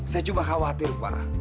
saya cuma khawatir pak